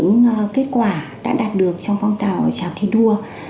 những kết quả đã đạt được trong phong trào thi đua